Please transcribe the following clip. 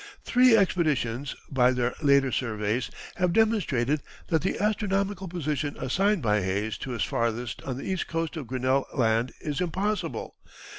Three expeditions, by their later surveys, have demonstrated that the astronomical position assigned by Hayes to his "farthest" on the east coast of Grinnell Land is impossible.